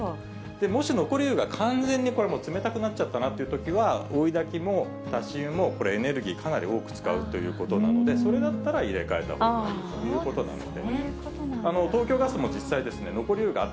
もし残り湯が完全に冷たくなっちゃったなというときは、追いだきも、足し湯も、エネルギーかなり多く使うということなので、それだったら、入れ替えたほうがいいということなので。